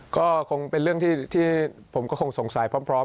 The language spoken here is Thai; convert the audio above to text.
ก็คงเป็นเรื่อ่อที่ผมคงศงส่ายพร้อม